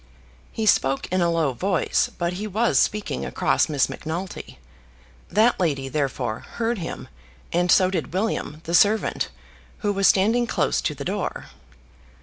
He spoke in a low voice, but he was speaking across Miss Macnulty. That lady, therefore, heard him, and so did William, the servant, who was standing close to the door.